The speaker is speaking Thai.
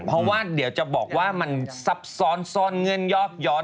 เพราะว่าเดี๋ยวจะบอกว่ามันซับซ้อนเงินยอกย้อน